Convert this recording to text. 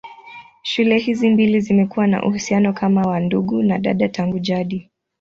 Shule hizi mbili zimekuwa na uhusiano kama wa ndugu na dada tangu jadi.